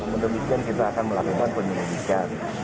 menurut kita akan melakukan penyelidikan